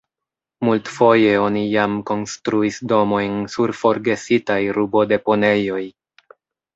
Multfoje oni jam konstruis domojn sur forgesitaj rubodeponejoj.